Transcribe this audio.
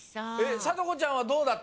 さとこちゃんはどうだった？